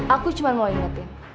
aku cuma mau ingetin